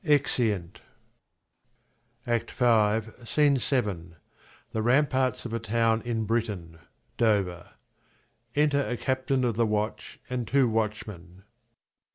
[Exeunt. SCENE VII. The ramparts of a town in Britain (Z)0wr). Enter a Captain of the Watch, and two Watchmen.